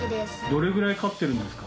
どれぐらい飼ってるんですか？